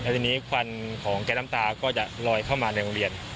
ทีนี้ควันของแก๊สน้ำตาก็จะลอยเข้ามาในโรงเรียน